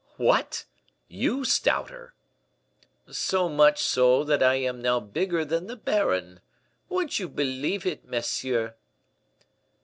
"What! you stouter!" "So much so that I am now bigger than the baron. Would you believe it, monsieur?"